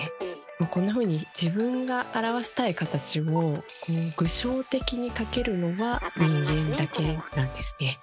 こんなふうに自分が表したい形をこう具象的に描けるのは人間だけなんですね。